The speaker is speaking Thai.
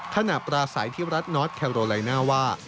ปราศัยที่รัฐนอสแคโรไลน่าว่า